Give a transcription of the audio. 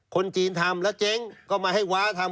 คนจีนทำแล้วเจ๊งก็มาให้ว้าทำ